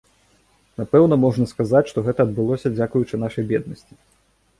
Напэўна, можна сказаць, што гэта адбылося дзякуючы нашай беднасці.